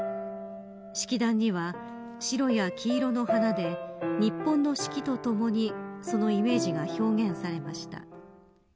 式壇には、白や黄色の花で日本の四季とともにそのイメージが表現されました。